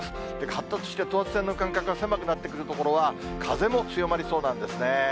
発達して等圧線の間隔が狭くなってくる所は、風も強まりそうなんですね。